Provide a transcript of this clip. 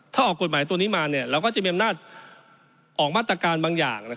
ถ้าออกกฎหมายตัวนี้มาเราก็จะมีอำนาจออกมาตรการบางอย่าง